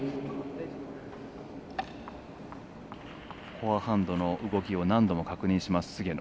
フォアハンドの動きを何度も確認します、菅野。